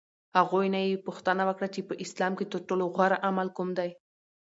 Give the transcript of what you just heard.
هغوی نه یې پوښتنه وکړه چې په اسلام کې ترټولو غوره عمل کوم دی؟